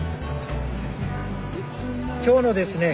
今日のですね